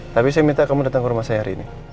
tapi saya minta kamu datang ke rumah saya hari ini